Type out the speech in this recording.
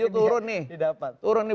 turun dari mobil